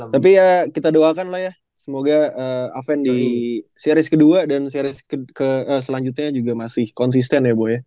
tapi ya kita doakan lah ya semoga apen di series ke dua dan series selanjutnya juga masih konsisten ya boh ya